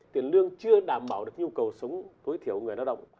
tiền lương chưa đảm bảo được nhu cầu sống tối thiểu người lao động